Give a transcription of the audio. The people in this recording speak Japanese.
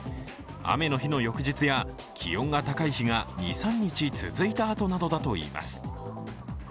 雨の日の翌日や気温が高い日が２３日続いたあとなどだといいます。